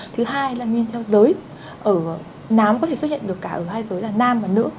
thứ hai là nguyên theo giới ở nam có thể xuất hiện được cả ở hai giới là nam và nữ